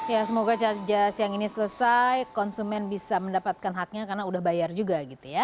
ya semoga siang ini selesai konsumen bisa mendapatkan haknya karena sudah bayar juga